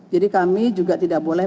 jadi kami juga tidak boleh